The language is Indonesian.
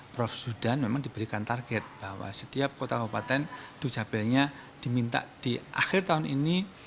prof sudan memang diberikan target bahwa setiap kota kota duk capilnya diminta di akhir tahun ini